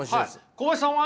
小林さんは？